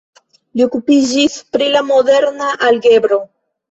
Li okupiĝis pri la moderna algebro.